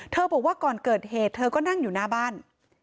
บอกว่าก่อนเกิดเหตุเธอก็นั่งอยู่หน้าบ้าน